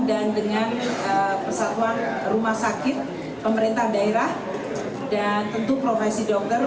dan dengan persatuan rumah sakit pemerintah daerah dan tentu profesi dokter